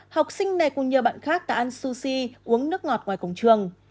học sinh này cũng như bạn khác đã ăn sushi uống nước ngọt ngoài cổng trường